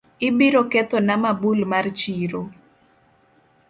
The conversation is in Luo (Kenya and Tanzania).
Ibiro kethona mabul mar chiro